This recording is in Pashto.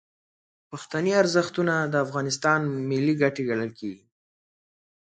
پښتني ارزښتونه د افغانستان ملي ګټې ګڼل کیږي.